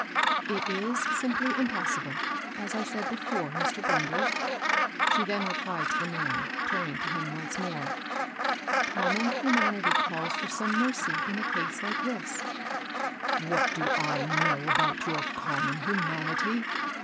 ^^ It is simply impossible, as I said before, Mr^ BrumUey,'' she then replied to the man, turning to him once more. ^^ Common humanity calls for some mercy in a case like this. ^^ What do I know about your * common human ity '?